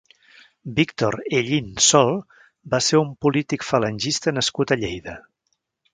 Víctor Hellín Sol va ser un polític falangista nascut a Lleida.